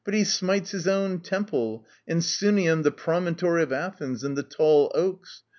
No, he strikes his own Temple, and Sunium, the promontory of Athens, and the towering oaks.